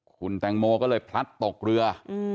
คุณแตงโมก็เลยพลัดตกเรือ